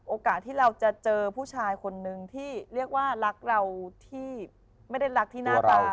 โอกาสที่เราจะเจอผู้ชายคนนึงที่เรียกว่ารักเราที่ไม่ได้รักที่หน้าตา